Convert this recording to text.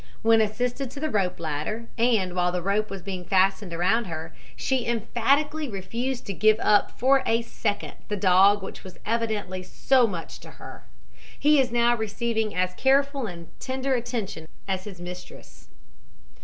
When assisted to the rope ladder and while the rope was being fastened around her she emphatically refused to give up for a second the dog which was evidently so much to her. He is now receiving as careful and tender attention as his mistress.